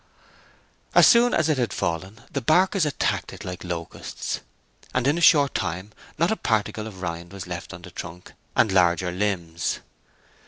As soon as it had fallen the barkers attacked it like locusts, and in a short time not a particle of rind was left on the trunk and larger limbs.